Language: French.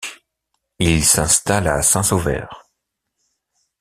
Ils s'installent à saint-Sauveur.